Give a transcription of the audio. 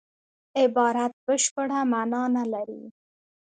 عبارت بشپړه مانا نه لري.